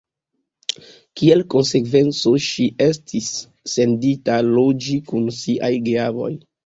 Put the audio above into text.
Kiel konsekvenco, ŝi estis sendita loĝi kun siaj geavoj.